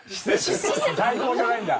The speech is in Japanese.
代行じゃないんだ。